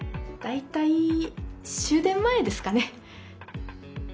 大体終電前ですかね。